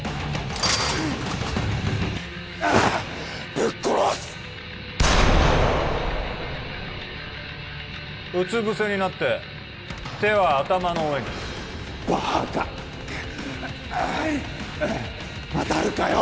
ぶっ殺すうつ伏せになって手は頭の上にバーカ当たるかよ